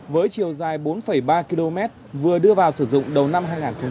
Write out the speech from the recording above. với chiều dài bốn ba km vừa đưa vào sử dụng đầu năm hai nghìn một mươi chín